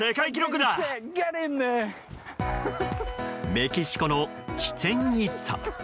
メキシコのチチェン・イッツァ。